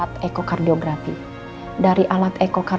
untuk menolak jantungnya pada saat ditangkap